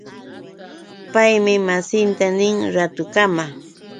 Paymi masinta nin: Raatukama.